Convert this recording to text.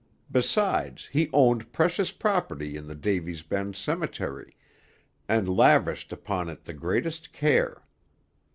Besides, he owned precious property in the Davy's Bend cemetery, and lavished upon it the greatest care.